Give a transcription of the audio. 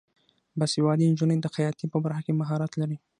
باسواده نجونې د خیاطۍ په برخه کې مهارت لري.